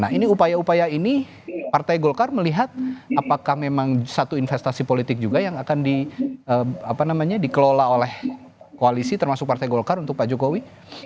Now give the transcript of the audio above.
nah ini upaya upaya ini partai golkar melihat apakah memang satu investasi politik juga yang akan dikelola oleh koalisi termasuk partai golkar untuk pak jokowi